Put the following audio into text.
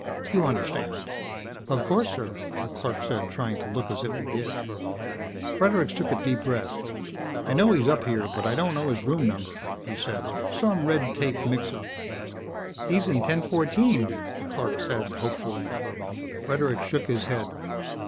"You understand." "Of course, sir," the clerk said, trying to look as if he did. Fredericks took a deep breath. "I know he's here, but I don't know his room number," he said. "Some red tape mixup." "He's in 1014," the clerk said hopefully. Fredericks shook his head.